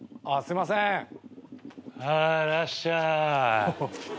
いらっしゃーい。